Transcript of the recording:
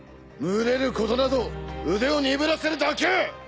群れることなど腕を鈍らせるだけ。